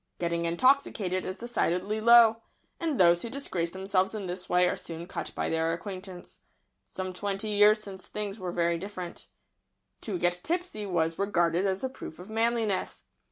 Getting intoxicated is decidedly "low," and those who disgrace themselves in this way are soon cut by their acquaintance. Some twenty years since things were very different. [Sidenote: The rowdyism of twenty years ago.] To get tipsy was regarded as a proof of manliness.